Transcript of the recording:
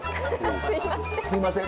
すいません。